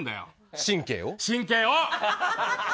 神経を！